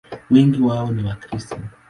Wengi wao ni Wakristo.